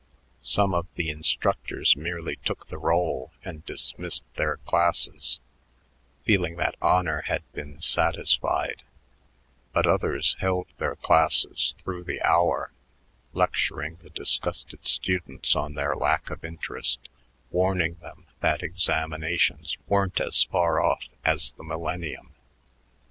Some of the instructors merely took the roll and dismissed their classes, feeling that honor had been satisfied; but others held their classes through the hour, lecturing the disgusted students on their lack of interest, warning them that examinations weren't as far off as the millennium.